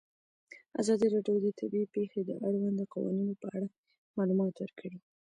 ازادي راډیو د طبیعي پېښې د اړونده قوانینو په اړه معلومات ورکړي.